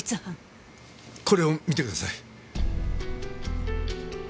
これを見てください。